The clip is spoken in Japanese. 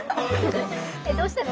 ・えどうしたの？